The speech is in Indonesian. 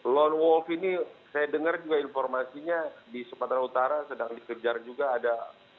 lone wolf ini saya dengar juga informasinya di sumatera utara sedang dikejar juga ada